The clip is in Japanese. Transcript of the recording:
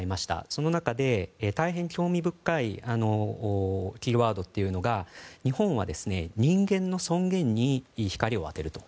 その中で、大変興味深いキーワードというのが日本は人間の尊厳に光を当てると。